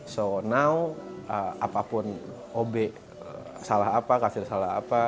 so now apapun ob salah apa kasir salah apa